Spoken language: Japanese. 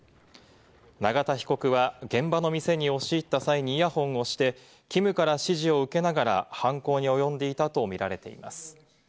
永田被告は現場の店に押し入った際にイヤホンをしてキムから指示を受けながら犯行に及んでいたとみられています。